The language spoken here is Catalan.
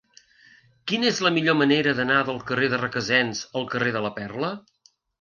Quina és la millor manera d'anar del carrer de Requesens al carrer de la Perla?